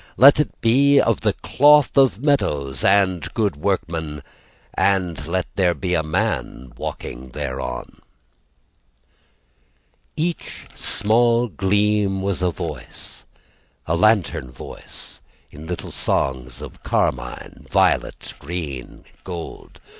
Let it be of the cloth of meadows. And good workman And let there be a man walking thereon. Each small gleam was a voice, A lantern voice In little songs of carmine, violet, green, gold.